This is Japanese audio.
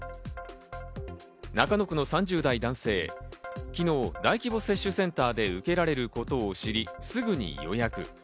中野区の３０代男性、昨日、大規模接種センターで受けられることを知り、すぐに予約。